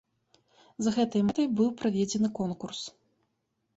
З гэтай мэтай быў праведзены конкурс.